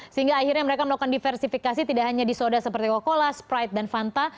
sehingga akhirnya mereka melakukan diversifikasi tidak hanya di soda seperti wacala sprite dan fanta